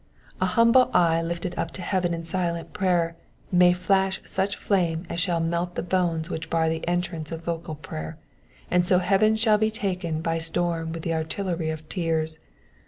A humble eye lifted up to heaven in silent prayer may flash such flame as shall melt the bolts wtiich bar the entrance of vocal prayer, and so heaven shall be taken by storm with the artillery of tears.